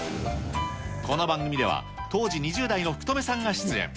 この番組では、当時２０代の福留さんが出演。